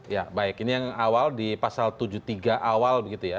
ya baik ini yang awal di pasal tujuh puluh tiga awal begitu ya